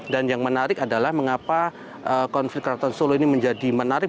dan yang menarik adalah mengapa konflik kraton solo ini menjadi menarik